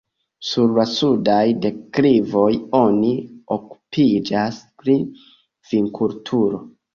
Sur la sudaj deklivoj oni okupiĝas pri vinkulturo.